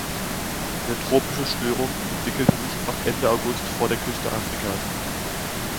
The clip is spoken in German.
Eine tropische Störung entwickelte sich ab Ende August vor der Küste Afrikas.